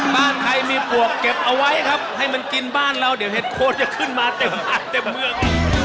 บ้านใครมีปวกเก็บเอาไว้ครับให้มันกินบ้านเราเดี๋ยวเห็ดโคนจะขึ้นมาเต็มอัดเต็มเมือง